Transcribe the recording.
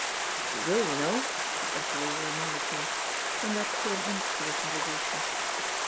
"But you will, you know!" the jackeroo reminded her. And that put an end to the conversation.